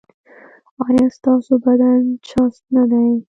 ایا ستاسو بدن چست نه دی؟